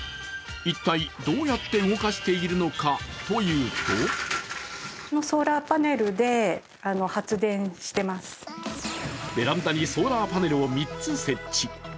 一体、どうやって動かしているのかというとベランダにソーラーパネルを３つ設置。